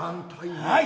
はい。